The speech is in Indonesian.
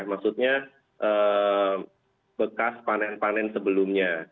maksudnya bekas panen panen sebelumnya